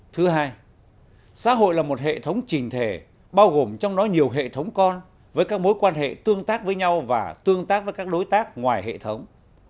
thứ hai xã hội là một hệ thống trình thể bao gồm trong đó nhiều hệ thống con với các mối quan hệ tương tác với nhau và tương tác với các đối tác ngoài hệ thống